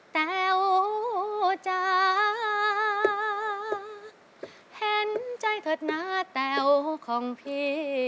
แต้วจ้าเห็นใจเถิดหน้าแต๋วของพี่